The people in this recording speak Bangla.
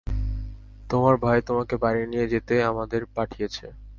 তোমার ভাই তোমাকে বাড়ি নিয়ে যেতে আমাদের পাঠিয়েছে।